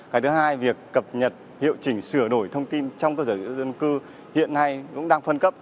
cái thứ hai việc cập nhật hiệu chỉnh sửa đổi thông tin trong cơ sở dữ liệu dân cư hiện nay cũng đang phân cấp